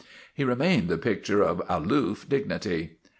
He remained the picture of aloof dignity.